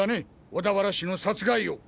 小田原氏の殺害を！